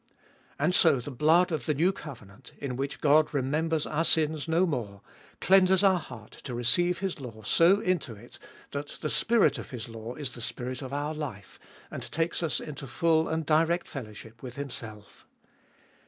And so the blood of the new covenant, in which God remembers our sins no more, cleanses our heart to receive His law so into it, that the spirit of His law is the spirit of our life, and takes us into full and direct fellowship with Himself.